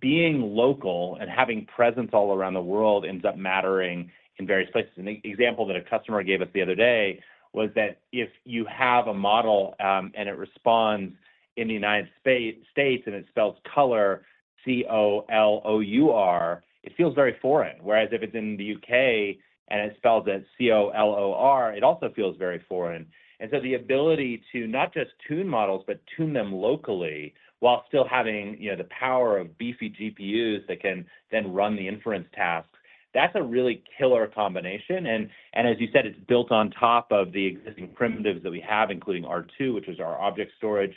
being local and having presence all around the world ends up mattering in various places. An example that a customer gave us the other day was that if you have a model and it responds in the United States and it spells color, C-O-L-O-U-R, it feels very foreign. Whereas if it's in the U.K. and it spells it C-O-L-O-R, it also feels very foreign. And so the ability to not just tune models, but tune them locally while still having the power of beefy GPUs that can then run the inference tasks, that's a really killer combination. And as you said, it's built on top of the existing primitives that we have, including R2, which is our object storage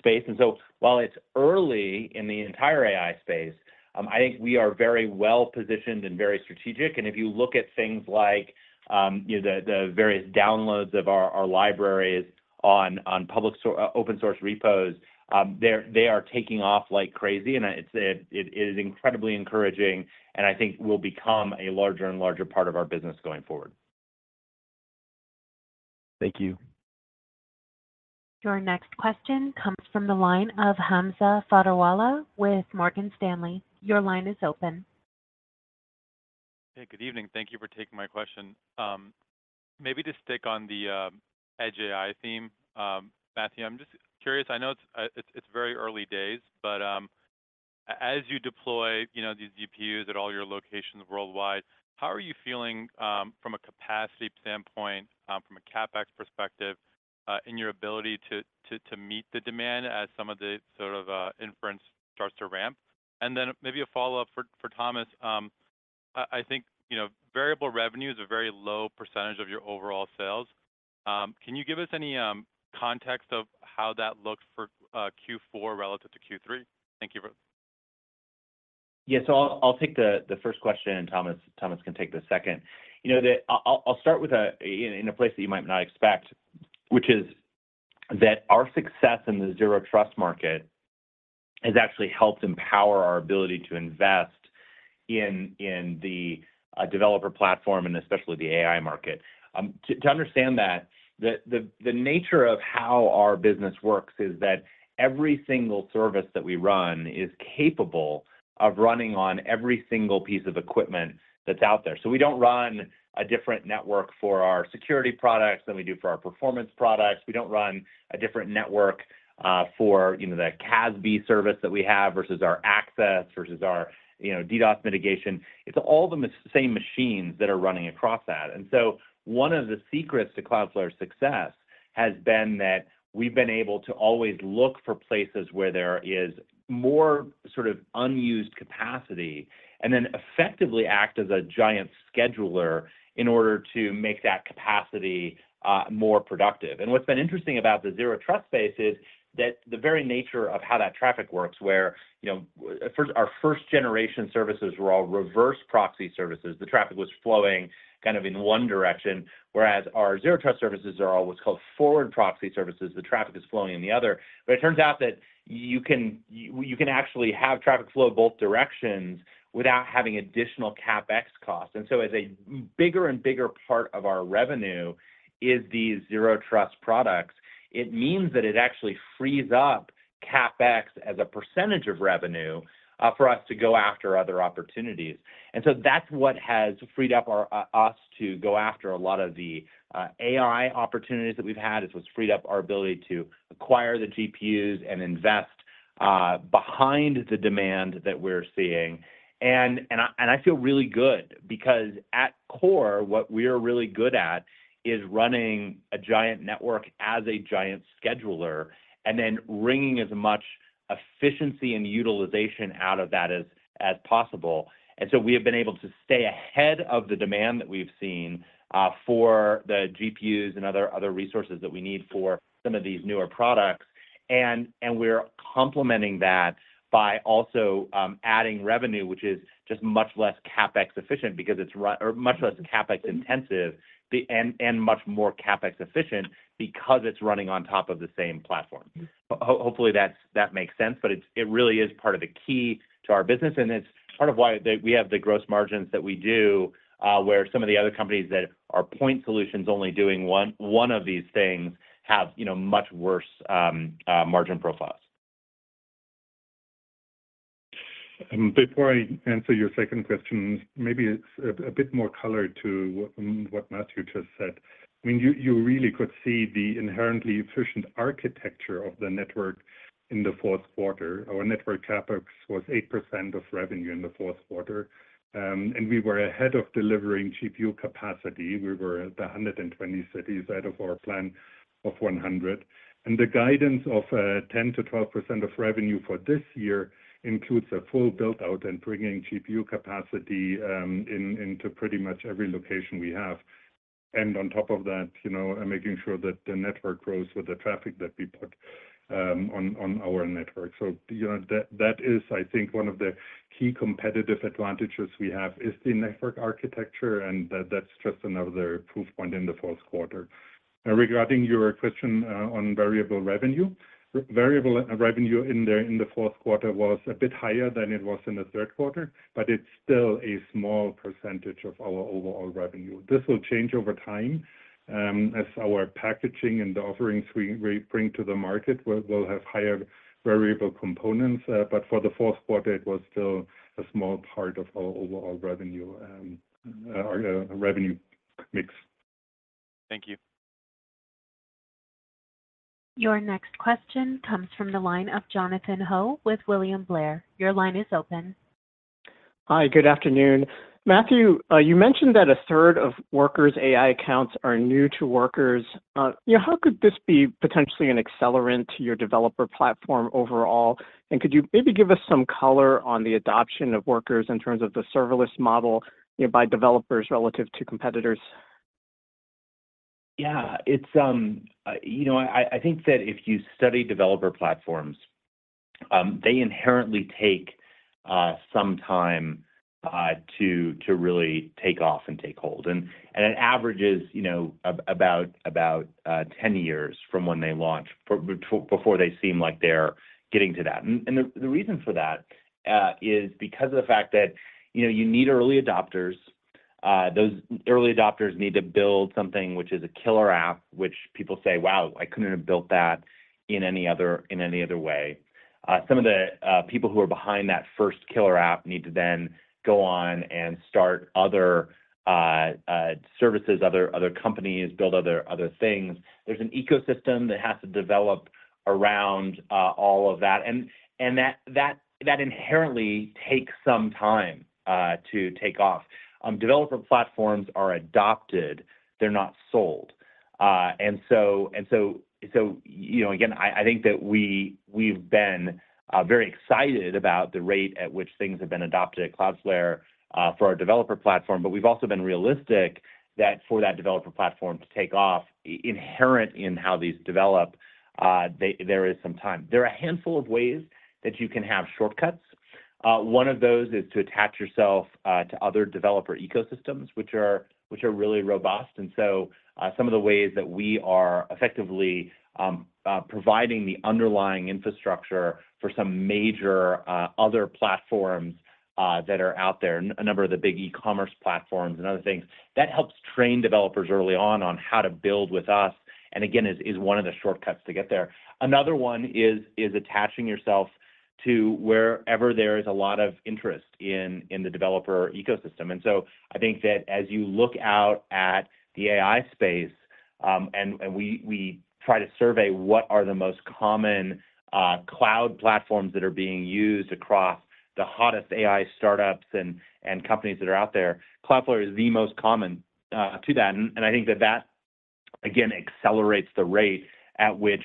space. And so while it's early in the entire AI space, I think we are very well-positioned and very strategic. And if you look at things like the various downloads of our libraries on open-source repos, they are taking off like crazy. And it is incredibly encouraging and I think will become a larger and larger part of our business going forward. Thank you. Your next question comes from the line of Hamza Fodderwala with Morgan Stanley. Your line is open. Hey, good evening. Thank you for taking my question. Maybe to stick on the edge AI theme, Matthew, I'm just curious. I know it's very early days, but as you deploy these GPUs at all your locations worldwide, how are you feeling from a capacity standpoint, from a CapEx perspective, in your ability to meet the demand as some of the sort of inference starts to ramp? And then maybe a follow-up for Thomas. I think variable revenue is a very low percentage of your overall sales. Can you give us any context of how that looks for Q4 relative to Q3? Thank you. Yeah. So I'll take the first question, and Thomas can take the second. I'll start in a place that you might not expect, which is that our success in the Zero Trust market has actually helped empower our ability to invest in the developer platform and especially the AI market. To understand that, the nature of how our business works is that every single service that we run is capable of running on every single piece of equipment that's out there. So we don't run a different network for our security products than we do for our performance products. We don't run a different network for the CASB service that we have versus our access versus our DDoS mitigation. It's all the same machines that are running across that. And so one of the secrets to Cloudflare's success has been that we've been able to always look for places where there is more sort of unused capacity and then effectively act as a giant scheduler in order to make that capacity more productive. And what's been interesting about the Zero Trust space is that the very nature of how that traffic works, where our first-generation services were all reverse proxy services, the traffic was flowing kind of in one direction, whereas our Zero Trust services are all what's called forward proxy services, the traffic is flowing in the other. But it turns out that you can actually have traffic flow both directions without having additional CapEx costs. And so as a bigger and bigger part of our revenue is these Zero Trust products, it means that it actually frees up CapEx as a percentage of revenue for us to go after other opportunities. And so that's what has freed up us to go after a lot of the AI opportunities that we've had. It's what's freed up our ability to acquire the GPUs and invest behind the demand that we're seeing. I feel really good because at core, what we are really good at is running a giant network as a giant scheduler and then ringing as much efficiency and utilization out of that as possible. So we have been able to stay ahead of the demand that we've seen for the GPUs and other resources that we need for some of these newer products. We're complementing that by also adding revenue, which is just much less CapEx efficient because it's or much less CapEx intensive and much more CapEx efficient because it's running on top of the same platform. Hopefully, that makes sense. It really is part of the key to our business. And it's part of why we have the gross margins that we do, where some of the other companies that are point solutions only doing one of these things have much worse margin profiles. Before I answer your second question, maybe a bit more color to what Matthew just said. I mean, you really could see the inherently efficient architecture of the network in the fourth quarter. Our network CapEx was 8% of revenue in the fourth quarter. And we were ahead of delivering GPU capacity. We were the 120 cities out of our plan of 100. And the guidance of 10%-12% of revenue for this year includes a full build-out and bringing GPU capacity into pretty much every location we have. And on top of that, making sure that the network grows with the traffic that we put on our network. So that is, I think, one of the key competitive advantages we have is the network architecture. And that's just another proof point in the fourth quarter. And regarding your question on variable revenue, variable revenue in the fourth quarter was a bit higher than it was in the third quarter, but it's still a small percentage of our overall revenue. This will change over time as our packaging and the offerings we bring to the market will have higher variable components. But for the fourth quarter, it was still a small part of our overall revenue mix. Thank you. Your next question comes from the line of Jonathan Ho with William Blair. Your line is open. Hi. Good afternoon. Matthew, you mentioned that a third of Worker AI accounts are new to Workers. How could this be potentially an accelerant to your developer platform overall? Could you maybe give us some color on the adoption of Workers in terms of the serverless model by developers relative to competitors? Yeah. I think that if you study developer platforms, they inherently take some time to really take off and take hold. It averages about 10 years from when they launch before they seem like they're getting to that. The reason for that is because of the fact that you need early adopters. Those early adopters need to build something which is a killer app, which people say, "Wow, I couldn't have built that in any other way." Some of the people who are behind that first killer app need to then go on and start other services, other companies, build other things. There's an ecosystem that has to develop around all of that. That inherently takes some time to take off. Developer platforms are adopted. They're not sold. And so again, I think that we've been very excited about the rate at which things have been adopted at Cloudflare for our developer platform. But we've also been realistic that for that developer platform to take off, inherent in how these develop, there is some time. There are a handful of ways that you can have shortcuts. One of those is to attach yourself to other developer ecosystems, which are really robust. And so some of the ways that we are effectively providing the underlying infrastructure for some major other platforms that are out there, a number of the big e-commerce platforms and other things, that helps train developers early on how to build with us. And again, is one of the shortcuts to get there. Another one is attaching yourself to wherever there is a lot of interest in the developer ecosystem. And so I think that as you look out at the AI space and we try to survey what are the most common cloud platforms that are being used across the hottest AI startups and companies that are out there, Cloudflare is the most common to that. And I think that that, again, accelerates the rate at which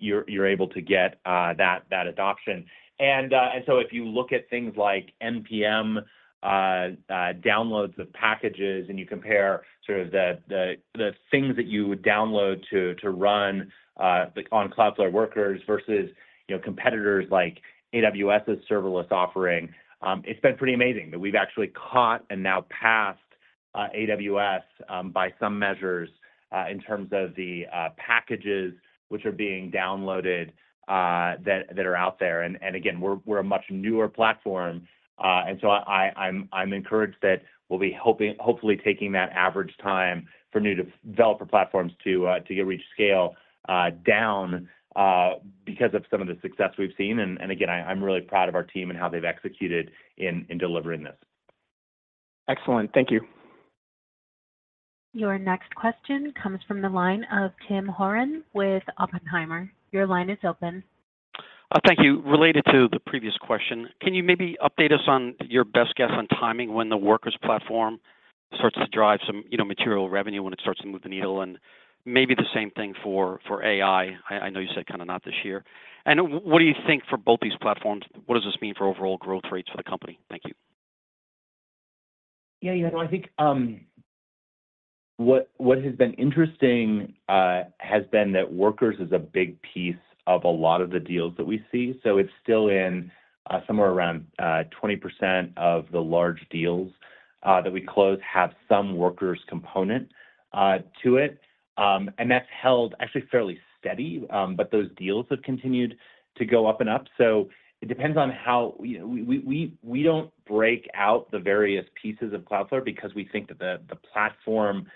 you're able to get that adoption. And so if you look at things like npm downloads of packages and you compare sort of the things that you would download to run on Cloudflare Workers versus competitors like AWS's serverless offering, it's been pretty amazing that we've actually caught and now passed AWS by some measures in terms of the packages which are being downloaded that are out here. And again, we're a much newer platform. And so I'm encouraged that we'll be hopefully taking that average time for new developer platforms to reach scale down because of some of the success we've seen. And again, I'm really proud of our team and how they've executed in delivering this. Excellent. Thank you. Your next question comes from the line of Tim Horan with Oppenheimer. Your line is open. Thank you. Related to the previous question, can you maybe update us on your best guess on timing when the Workers platform starts to drive some material revenue when it starts to move the needle? And maybe the same thing for AI. I know you said kind of not this year. And what do you think for both these platforms? What does this mean for overall growth rates for the company? Thank you. Yeah. Yeah. No, I think what has been interesting has been that Workers is a big piece of a lot of the deals that we see. So it's still in somewhere around 20% of the large deals that we close have some Workers component to it. And that's held actually fairly steady. But those deals have continued to go up and up. So it depends on how we don't break out the various pieces of Cloudflare because we think that the platform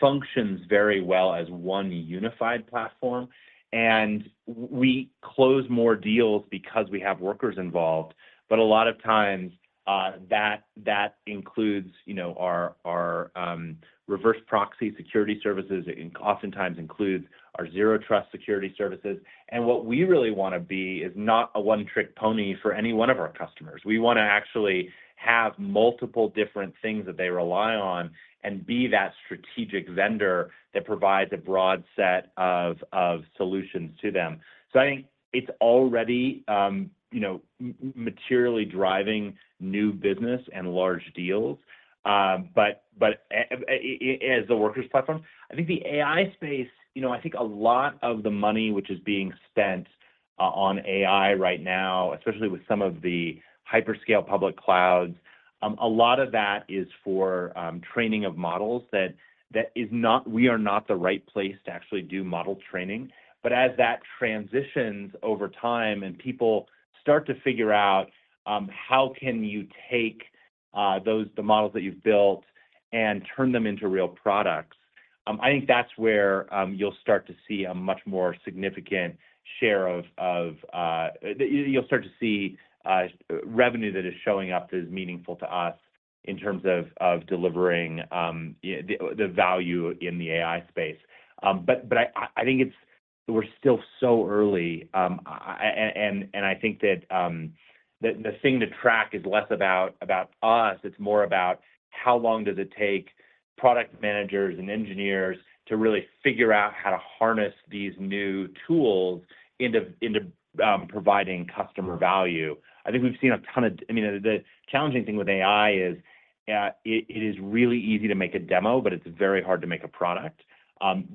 functions very well as one unified platform. And we close more deals because we have Workers involved. But a lot of times, that includes our Reverse Proxy security services. It oftentimes includes our Zero Trust security services. And what we really want to be is not a one-trick pony for any one of our customers. We want to actually have multiple different things that they rely on and be that strategic vendor that provides a broad set of solutions to them. So I think it's already materially driving new business and large deals. But as the Workers platform, I think the AI space, I think a lot of the money which is being spent on AI right now, especially with some of the hyperscale public clouds, a lot of that is for training of models that is not we are not the right place to actually do model training. But as that transitions over time and people start to figure out how can you take the models that you've built and turn them into real products, I think that's where you'll start to see a much more significant share of you'll start to see revenue that is showing up that is meaningful to us in terms of delivering the value in the AI space. But I think we're still so early. And I think that the thing to track is less about us. It's more about how long does it take product managers and engineers to really figure out how to harness these new tools into providing customer value? I think we've seen a ton of I mean, the challenging thing with AI is it is really easy to make a demo, but it's very hard to make a product.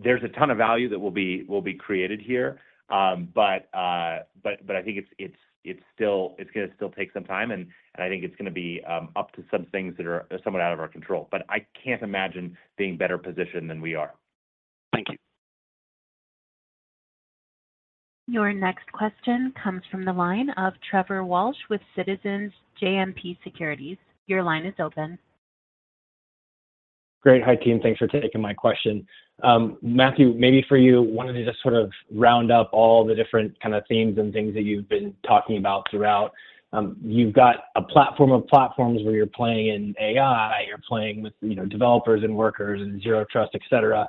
There's a ton of value that will be created here. But I think it's going to still take some time. And I think it's going to be up to some things that are somewhat out of our control. But I can't imagine being better positioned than we are. Thank you. Your next question comes from the line of Trevor Walsh with Citizens JMP Securities. Your line is open. Great. Hi, Tim. Thanks for taking my question. Matthew, maybe for you, wanted to just sort of round up all the different kind of themes and things that you've been talking about throughout. You've got a platform of platforms where you're playing in AI. You're playing with developers and workers and Zero Trust, etc.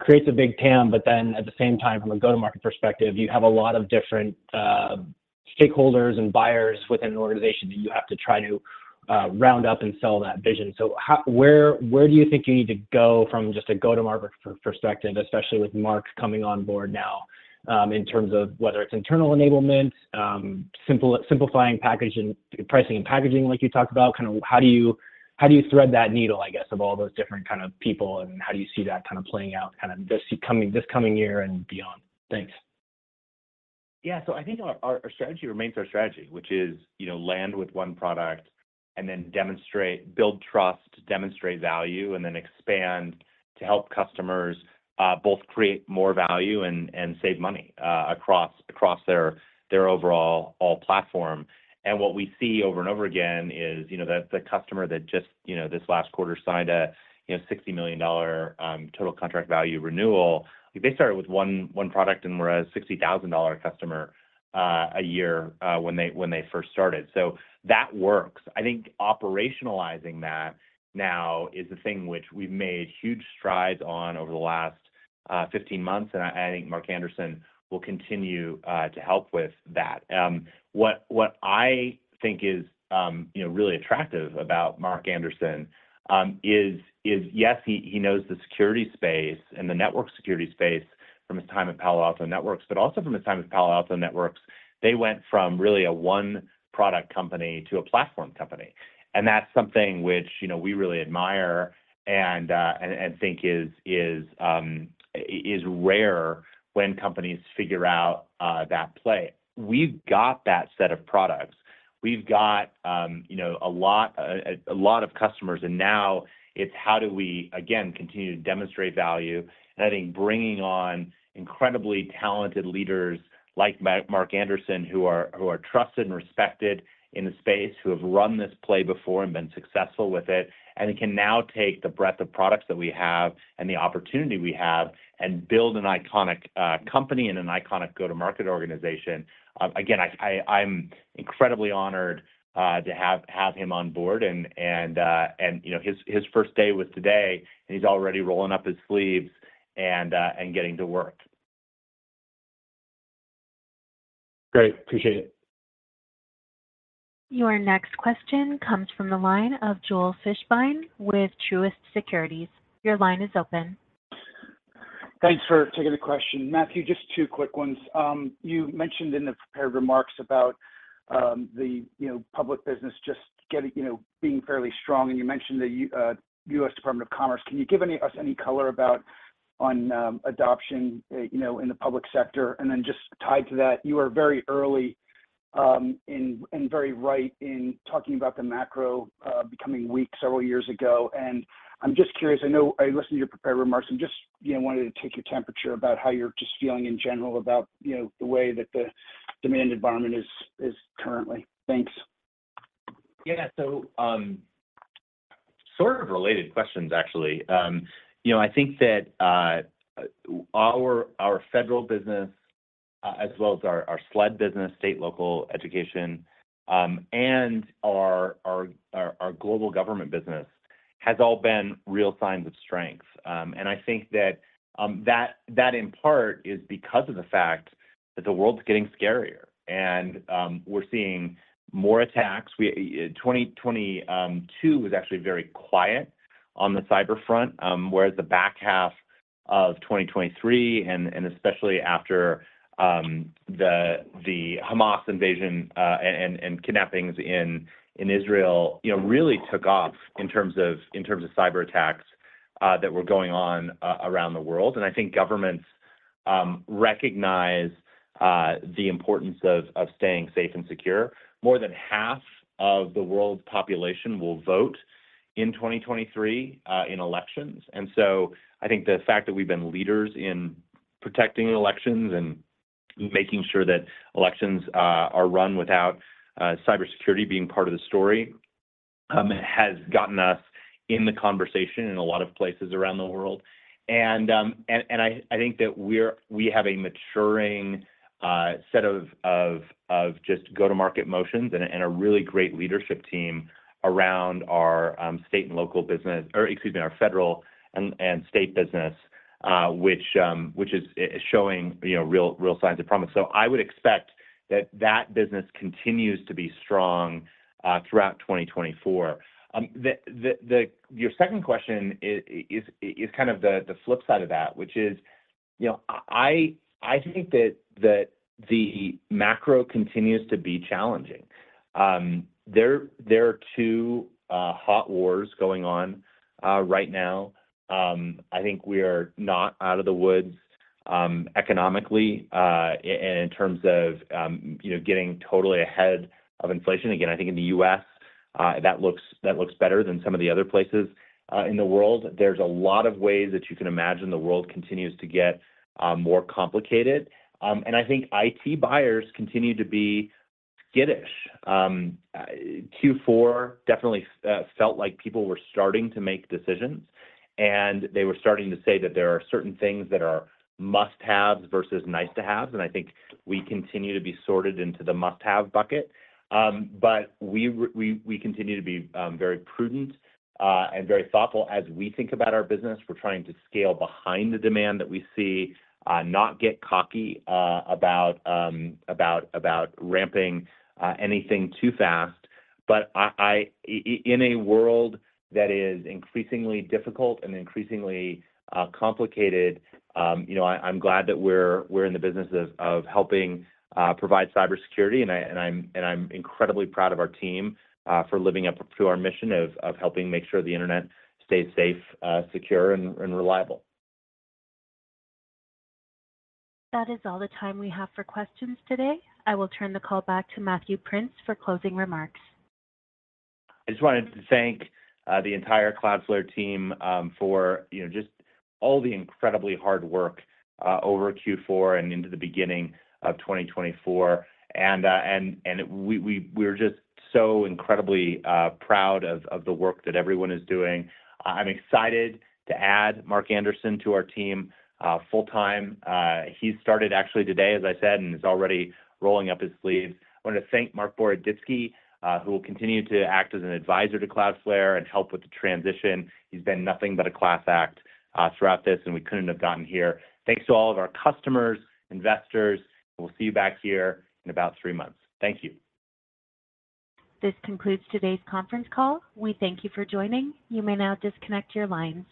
Creates a big TAM. But then at the same time, from a go-to-market perspective, you have a lot of different stakeholders and buyers within an organization that you have to try to round up and sell that vision. So where do you think you need to go from just a go-to-market perspective, especially with Mark coming on board now, in terms of whether it's internal enablement, simplifying pricing and packaging like you talked about? Kind of how do you thread that needle, I guess, of all those different kind of people? And how do you see that kind of playing out kind of this coming year and beyond? Thanks. Yeah. So I think our strategy remains our strategy, which is land with one product and then build trust, demonstrate value, and then expand to help customers both create more value and save money across their overall platform. What we see over and over again is that the customer that just this last quarter signed a $60 million total contract value renewal, they started with one product and were a $60,000 customer a year when they first started. So that works. I think operationalizing that now is a thing which we've made huge strides on over the last 15 months. And I think Mark Anderson will continue to help with that. What I think is really attractive about Mark Anderson is, yes, he knows the security space and the network security space from his time at Palo Alto Networks. But also from his time at Palo Alto Networks, they went from really a one-product company to a platform company. And that's something which we really admire and think is rare when companies figure out that play. We've got that set of products. We've got a lot of customers. And now it's how do we, again, continue to demonstrate value? And I think bringing on incredibly talented leaders like Mark Anderson who are trusted and respected in the space, who have run this play before and been successful with it, and can now take the breadth of products that we have and the opportunity we have and build an iconic company and an iconic go-to-market organization. Again, I'm incredibly honored to have him on board. And his first day was today. And he's already rolling up his sleeves and getting to work. Great. Appreciate it. Your next question comes from the line of Joel Fishbein with Truist Securities. Your line is open. Thanks for taking the question. Matthew, just two quick ones. You mentioned in the prepared remarks about the public business just being fairly strong. And you mentioned the U.S. Department of Commerce. Can you give us any color about adoption in the public sector? And then just tied to that, you were very early and very right in talking about the macro becoming weak several years ago. And I'm just curious. I know I listened to your prepared remarks. I just wanted to take your temperature about how you're just feeling in general about the way that the demand environment is currently. Thanks. Yeah. So sort of related questions, actually. I think that our federal business as well as our SLED business, state, local education, and our global government business has all been real signs of strength. And I think that that in part is because of the fact that the world's getting scarier. And we're seeing more attacks. 2022 was actually very quiet on the cyber front, whereas the back half of 2023, and especially after the Hamas invasion and kidnappings in Israel, really took off in terms of cyber attacks that were going on around the world. And I think governments recognize the importance of staying safe and secure. More than half of the world's population will vote in 2023 in elections. And so I think the fact that we've been leaders in protecting elections and making sure that elections are run without cybersecurity being part of the story has gotten us in the conversation in a lot of places around the world. And I think that we have a maturing set of just go-to-market motions and a really great leadership team around our state and local business or excuse me, our federal and state business, which is showing real signs of promise. So I would expect that that business continues to be strong throughout 2024. Your second question is kind of the flip side of that, which is I think that the macro continues to be challenging. There are two hot wars going on right now. I think we are not out of the woods economically and in terms of getting totally ahead of inflation. Again, I think in the U.S., that looks better than some of the other places in the world. There's a lot of ways that you can imagine the world continues to get more complicated. And I think IT buyers continue to be skittish. Q4 definitely felt like people were starting to make decisions. And they were starting to say that there are certain things that are must-haves versus nice-to-haves. And I think we continue to be sorted into the must-have bucket. But we continue to be very prudent and very thoughtful as we think about our business. We're trying to scale behind the demand that we see, not get cocky about ramping anything too fast. But in a world that is increasingly difficult and increasingly complicated, I'm glad that we're in the business of helping provide cybersecurity. And I'm incredibly proud of our team for living up to our mission of helping make sure the internet stays safe, secure, and reliable. That is all the time we have for questions today. I will turn the call back to Matthew Prince for closing remarks. I just wanted to thank the entire Cloudflare team for just all the incredibly hard work over Q4 and into the beginning of 2024. And we're just so incredibly proud of the work that everyone is doing. I'm excited to add Mark Anderson to our team full-time. He started actually today, as I said, and is already rolling up his sleeves. I wanted to thank Marc Boroditsky, who will continue to act as an advisor to Cloudflare and help with the transition. He's been nothing but a class act throughout this. We couldn't have gotten here. Thanks to all of our customers, investors. We'll see you back here in about three months. Thank you This concludes today's conference call. We thank you for joining. You may now disconnect your lines.